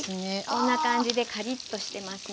こんな感じでカリッとしてますね。